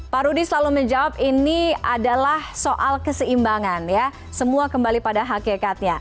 pak rudy selalu menjawab ini adalah soal keseimbangan ya semua kembali pada hakikatnya